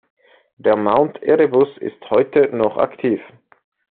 Nur Mount Erebus ist heute noch aktiv.